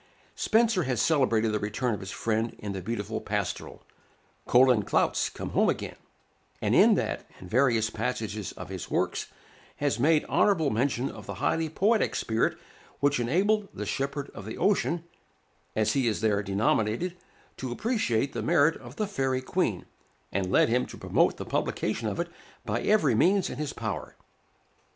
Spenser has celebrated the return of his friend in the beautiful pastoral, "Colin Clout's come home again;" and in that, and various passages of his works, has made honorable mention of the highly poetic spirit which enabled the "Shepherd of the Ocean," as he is there denominated, to appreciate the merit of the "Fairy Queen," and led him to promote the publication of it by every means in his power.